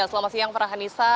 selamat siang farhanisa